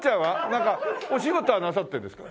なんかお仕事はなさってるんですか？